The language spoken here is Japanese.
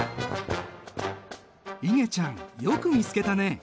いげちゃんよく見つけたね。